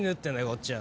こっちは。